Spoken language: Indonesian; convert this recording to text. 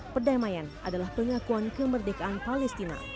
perdamaian adalah pengakuan kemerdekaan palestina